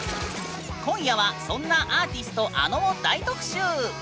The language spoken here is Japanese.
今夜はそんなアーティストａｎｏを大特集！